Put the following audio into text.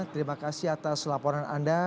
terima kasih atas laporan anda